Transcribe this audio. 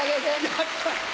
やった！